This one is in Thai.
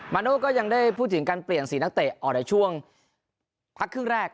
โน่ก็ยังได้พูดถึงการเปลี่ยน๔นักเตะออกในช่วงพักครึ่งแรก